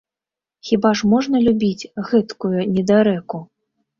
Хіба ж можна любіць гэткую недарэку!